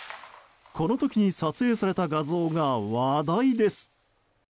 この時に撮影された画像が話題です。